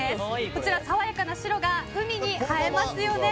こちら、爽やかな白が海に映えますよね。